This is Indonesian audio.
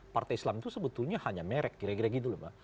partai islam itu sebetulnya hanya merek kira kira gitu loh mbak